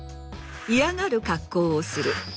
嫌がる格好をする。